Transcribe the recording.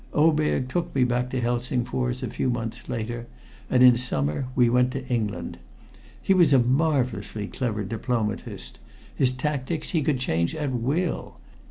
Oberg took me back to Helsingfors a few months later, and in summer we went to England. He was a marvelously clever diplomatist. His tactics he could change at will.